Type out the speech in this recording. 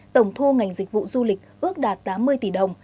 tổng thu ngành dịch vụ du lịch ước đạt tám mươi tỷ đồng